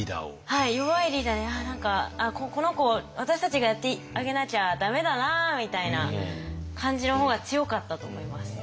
はい弱いリーダーで何かこの子私たちがやってあげなきゃ駄目だなみたいな感じの方が強かったと思います。